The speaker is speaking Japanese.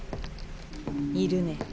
いるね。